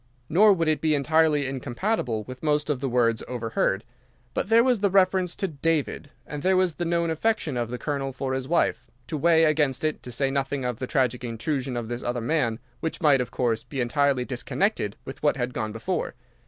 Nor would it be entirely incompatible with most of the words overheard. But there was the reference to David, and there was the known affection of the Colonel for his wife, to weigh against it, to say nothing of the tragic intrusion of this other man, which might, of course, be entirely disconnected with what had gone before.